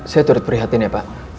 saya turut prihatin ya pak